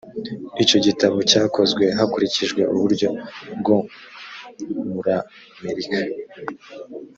icyogitabo cyakozwe hakurikijwe uburyo bwo muramerika.